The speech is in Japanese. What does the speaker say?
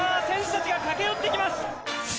選手たちが駆け寄ってきます。